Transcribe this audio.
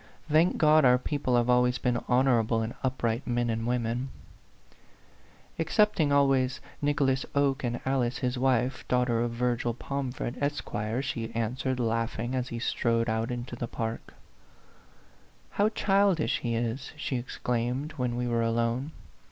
"Thank God, our people have always been honorable and up right men and women !" O "Excepting always Nicholas Oke and Alice his wife, daughter of Virgil Pomfret, Esq.," she answered, laughing, as he strode out into the park. 40 A PHANTOM LOVER. "How childish he is!" she exclaimed, when we were alone.